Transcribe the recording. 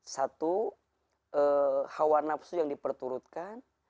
satu hawa nafsu yang diperturutkan